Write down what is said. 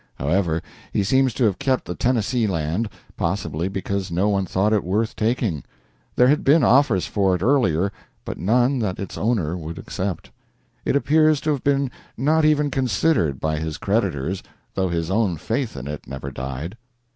However, he seems to have kept the Tennessee land, possibly because no one thought it worth taking. There had been offers for it earlier, but none that its owner would accept. It appears to have been not even considered by his creditors, though his own faith in it never died.